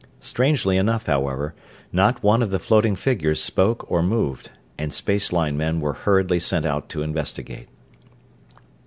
Strangely enough, however, not one of the floating figures spoke or moved, and space line men were hurriedly sent out to investigate.